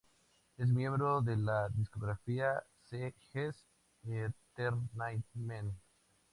Es miembro de la discografía C-JeS Entertainment.